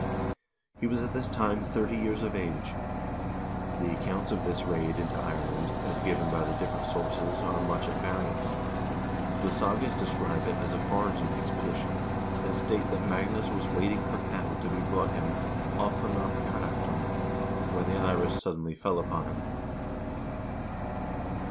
He was at this time thirty years of age. The accounts of this raid into Ireland as given by the different sources are much at variance. The sagas describe it as a foraging expedition, and state that Magnus was waiting for cattle to be brought him "of an af Kunnoktum," l when the Irish suddenly fell upon him.